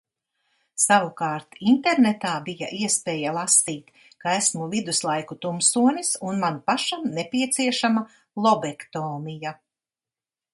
Savukārt internetā bija iespēja lasīt, ka esmu viduslaiku tumsonis un man pašam nepieciešama lobektomija.